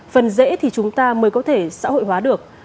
phần dễ thì chúng ta mới có thể xã hội hóa được